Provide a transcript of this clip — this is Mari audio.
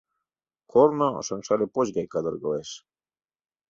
Корно шыҥшале поч гай кадыргылеш.